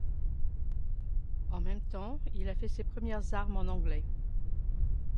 En même temps, il a fait ses premières armes en anglais.